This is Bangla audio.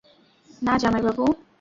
না, জামাইবাবু।